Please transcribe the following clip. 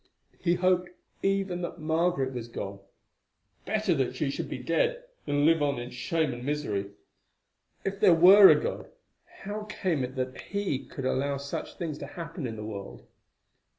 He hoped even that Margaret was gone; better that she should be dead than live on in shame and misery. If there were a God, how came it that He could allow such things to happen in the world?